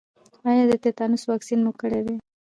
ایا د تیتانوس واکسین مو کړی دی؟